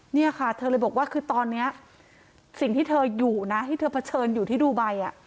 เนี่ยค่ะเธอเลยบอกว่าคือตอนนี้สิ่งที่เธออยู่นะที่เธอเผชิญอยู่ที่ดูไบ